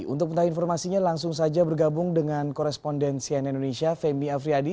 untuk mengetahui informasinya langsung saja bergabung dengan korespondensian indonesia femi afriyadi